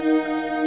pasti aku tinggal